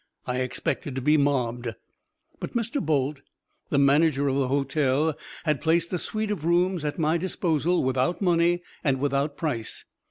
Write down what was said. I expected to be mobbed. But Mr. Boldt, the manager of the hotel, had placed a suite of rooms at my disposal without money and without price.